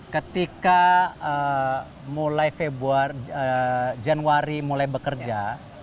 ketika mulai februari januari mulai bekerja